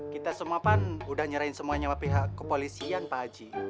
kita semua pan udah nyerahin semuanya sama pihak kepolisian pak haji